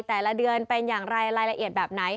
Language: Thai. แต่ละเดือนเป็นอย่างไรรายละเอียดแบบไหน